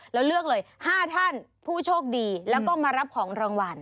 แล้วเลือกเลย๕ท่านผู้โชคดีแล้วก็มารับของรางวัล